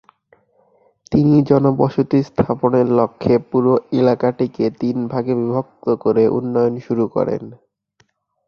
তিনি জনবসতি স্থাপনের লক্ষ্যে পুরো এলাকাটিকে তিন ভাগে বিভক্ত করে উন্নয়ন শুরু করেন।